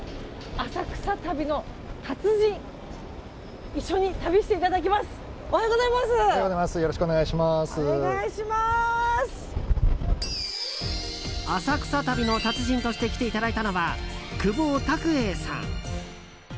浅草旅の達人として来ていただいたのは久保拓英さん。